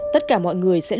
tất cả mọi người sẽ chờ anh